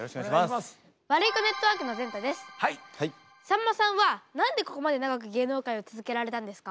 さんまさんは何でここまで長く芸能界を続けられたんですか？